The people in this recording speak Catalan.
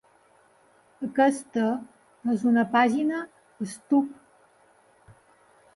Aquesta és una pàgina stub.